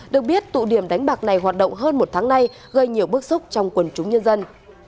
được biết tụ điểm đánh bạc này hoạt động hơn một tháng nay gây nhiều bức xúc trong quần chúng nhân dân